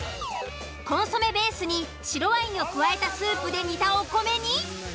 コンソメベースに白ワインを加えたスープで煮たお米に。